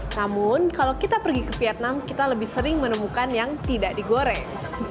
namun kalau kita pergi ke vietnam kita lebih sering menemukan yang tidak digoreng